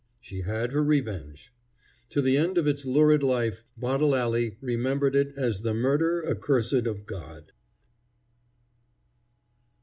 She had her revenge. To the end of its lurid life Bottle Alley remembered it as the murder accursed of God.